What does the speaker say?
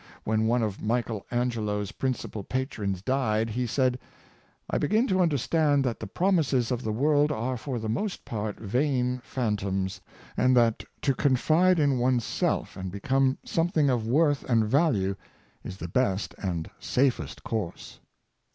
When one of Michael Angelo's principal patrons died, he said: "I begin to understand that the promises of the world are for the most part vain phantoms, and that to confide in one's self, and become something of worth and value, is the best and safest course."